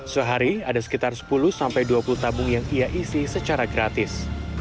sehari ada sekitar sepuluh sampai dua puluh tabung yang ia isi secara gratis